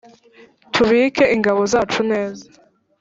tubike ingabo zacu neza,